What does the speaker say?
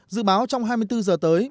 dự báo trong hai mươi bốn h tới